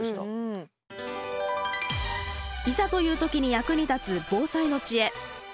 いざという時に役に立つ防災の知恵。